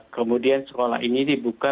kemudian sekolah ini dibuka